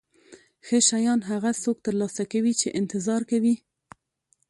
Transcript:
ښه شیان هغه څوک ترلاسه کوي چې انتظار کوي.